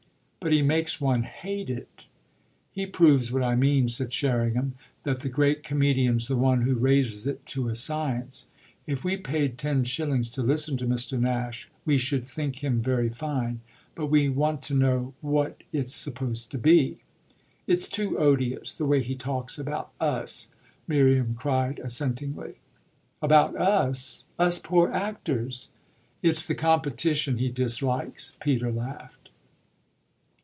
"But he makes one hate it." "He proves what I mean," said Sherringham: "that the great comedian's the one who raises it to a science. If we paid ten shillings to listen to Mr. Nash we should think him very fine. But we want to know what it's supposed to be." "It's too odious, the way he talks about us!" Miriam cried assentingly. "About 'us'?" "Us poor actors." "It's the competition he dislikes," Peter laughed.